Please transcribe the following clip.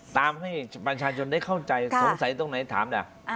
ตามให้ประชาชนได้เข้าใจสงสัยตรงไหนถามล่ะ